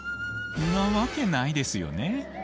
なわけないですよね。